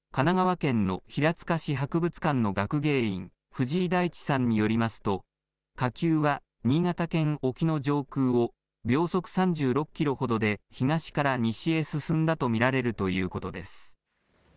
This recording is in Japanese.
神奈川県の平塚市博物館の学芸員、藤井大地さんによりますと、火球は新潟県沖の上空を秒速３６キロほどで、東から西へ進んだと見られるということです。